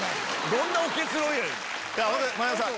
どんな結論やねん！